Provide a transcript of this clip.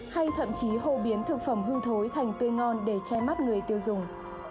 hay thậm chí hộ biến thực phẩm hư thối thành tươi ngon để che mắt người tiêu dùng